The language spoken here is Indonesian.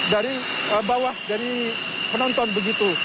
dari bawah dari penonton begitu